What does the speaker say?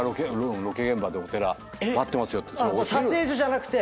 撮影所じゃなくて？